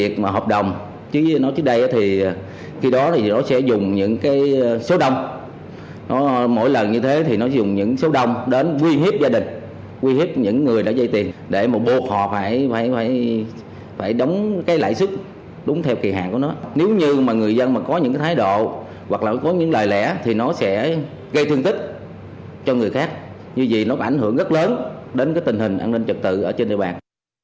cho người khác như vậy nó ảnh hưởng rất lớn đến tình hình an ninh trực tự ở trên địa bàn